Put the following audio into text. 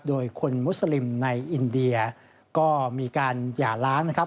โดยคนมุสลิมในอินเดียก็มีการหย่าล้างนะครับ